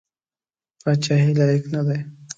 پاچهي لایق نه دی.